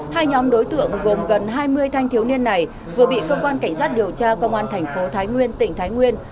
hai nhóm đối tượng gồm gần hai mươi thanh thiếu niên này vừa bị cơ quan cảnh sát điều tra công an thành phố thái nguyên tỉnh thái nguyên